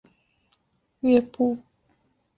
他现在效力于英超球队沃特福德足球俱乐部。